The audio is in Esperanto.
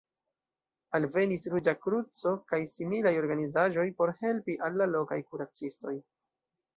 Alvenis Ruĝa Kruco kaj similaj organizaĵoj por helpi al la lokaj kuracistoj.